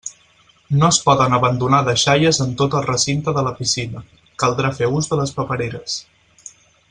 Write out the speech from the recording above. No es poden abandonar deixalles en tot el recinte de la piscina, caldrà fer ús de les papereres.